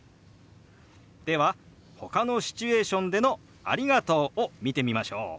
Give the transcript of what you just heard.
ではほかのシチュエーションでの「ありがとう」を見てみましょう。